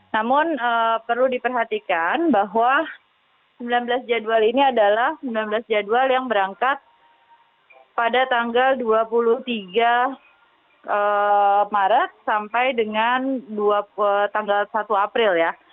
namun perlu diperhatikan bahwa sembilan belas jadwal ini adalah sembilan belas jadwal yang berangkat pada tanggal dua puluh tiga maret sampai dengan tanggal satu april ya